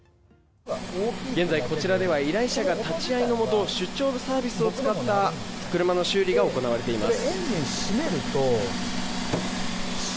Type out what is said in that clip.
現在こちらでは依頼者が立ち会いのもと出張サービスを使った車の修理が行われています。